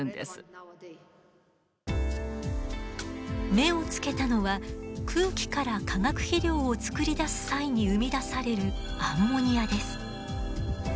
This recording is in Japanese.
目をつけたのは空気から化学肥料を作り出す際に生み出されるアンモニアです。